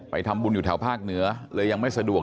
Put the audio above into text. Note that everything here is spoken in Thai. ทำบุญอยู่แถวภาคเหนือเลยยังไม่สะดวก